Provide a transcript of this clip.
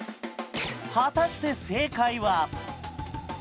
果たして正解は。